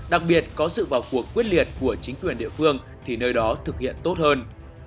đặc biệt có sự vào cuộc quyết liệt của chính quyền địa phương thì nơi đó thực hiện tốt hơn